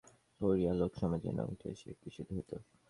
সার্কাসে যাওয়া এবং এ কথাটা এমন করিয়া লোকসমাজে না উঠিলেই সে খুশি হইত।